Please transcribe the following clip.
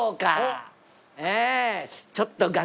ちょっと。